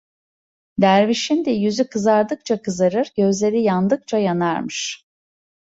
Dervişin de yüzü kızardıkça kızarır, gözleri yandıkça yanarmış.